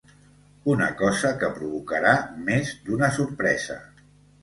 Una cosa que provocarà més d'una sorpresa.